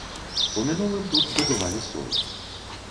У мінулым тут здабывалі соль.